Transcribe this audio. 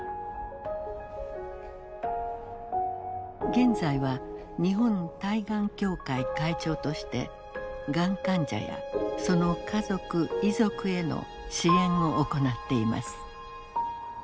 現在は日本対がん協会会長としてがん患者やその家族遺族への支援を行っています。